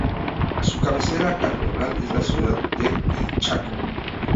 Su cabecera cantonal es la ciudad de El Chaco.